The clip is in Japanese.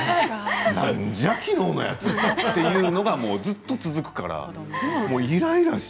なんじゃ、昨日のやつというのがずっと続くからイライラして。